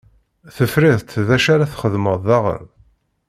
Tefriḍ-tt dacu ara txedmeḍ daɣen?